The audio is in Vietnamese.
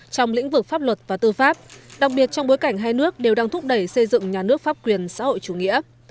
trong lĩnh vực pháp luật và tư pháp đặc biệt trong bối cảnh hai nước đều đang thúc đẩy xây dựng nhà nước pháp quyền xã hội chủ nghĩa